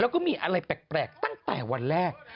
แล้วก็มีอะไรแปลกตั้งแต่วันแรก